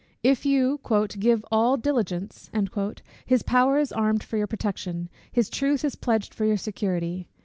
If you "give all diligence," his power is armed for your protection, his truth is pledged for your security.